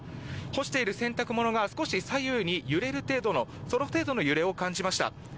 干している洗濯物が少し左右に揺れる程度のその程度の揺れを感じました。